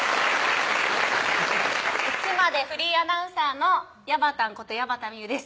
妻でフリーアナウンサーのやばたんこと矢端名結です